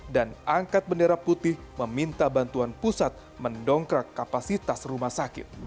dan angkat bendera putih meminta bantuan pusat mendongkrak kapasitas rumah sakit